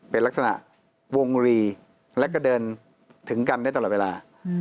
เป็นลักษณะวงรีแล้วก็เดินถึงกันได้ตลอดเวลา